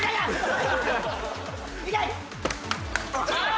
いけ！